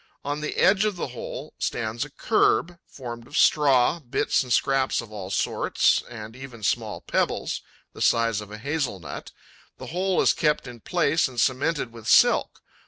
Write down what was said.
On the edge of the hole stands a kerb, formed of straw, bits and scraps of all sorts and even small pebbles, the size of a hazel nut. The whole is kept in place and cemented with silk.